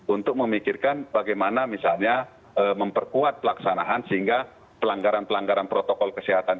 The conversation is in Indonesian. untuk memikirkan bagaimana misalnya memperkuat pelaksanaan sehingga pelanggaran pelanggaran protokol kesehatan